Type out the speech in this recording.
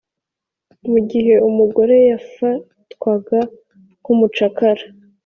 mu gihe umugore yafatwaga nk’umucakara